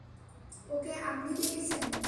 ওকে আপনি ডেকেছেন?